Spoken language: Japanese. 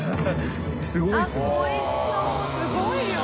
すごい量。